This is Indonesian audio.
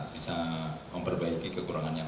bisa memperbaiki kekurangannya kita